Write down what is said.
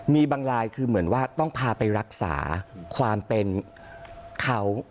มีบางลายคือเหมือนว่าต้องพาไปรักษาความเป็นเขา